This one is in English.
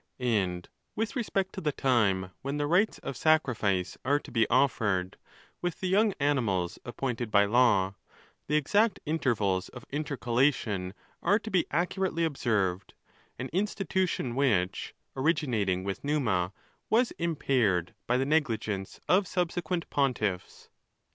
And with respect to the time when the rites of sacrifice are to be offered, with the young animals appointed by Jaw, the exact intervals of intercalation are to be accurately observed, an institution which, originating with Numa, was impaired by the negligence of subsequent pontifis.